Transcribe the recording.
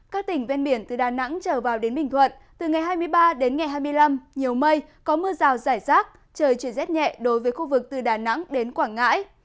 các tỉnh ven biển từ đà nẵng trở vào đến bình thuận từ ngày hai mươi ba đến ngày hai mươi năm nhiều mây có mưa rào rải rác trời chuyển rét nhẹ đối với khu vực từ đà nẵng đến quảng ngãi